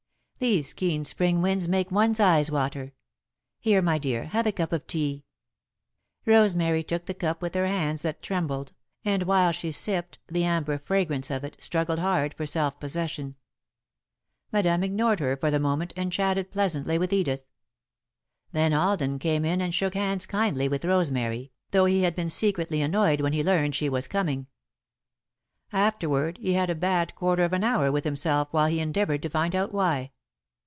These keen Spring winds make one's eyes water. Here, my dear, have a cup of tea." [Sidenote: An Uncomfortable Afternoon] Rosemary took the cup with hands that trembled, and, while she sipped the amber fragrance of it, struggled hard for self possession. Madame ignored her for the moment and chatted pleasantly with Edith. Then Alden came in and shook hands kindly with Rosemary, though he had been secretly annoyed when he learned she was coming. Afterward, he had a bad quarter of an hour with himself while he endeavoured to find out why.